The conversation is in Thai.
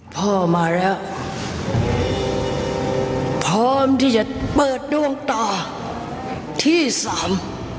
พ่อมาแล้วพร้อมที่จะเปิดดวงตาที่สาม